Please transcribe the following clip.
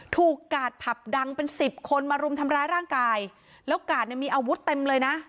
กาดผับดังเป็นสิบคนมารุมทำร้ายร่างกายแล้วกาดเนี่ยมีอาวุธเต็มเลยนะ